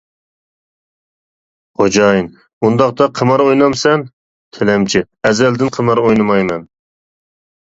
خوجايىن: ئۇنداقتا قىمار ئوينامسەن؟ تىلەمچى: ئەزەلدىن قىمار ئوينىمايمەن.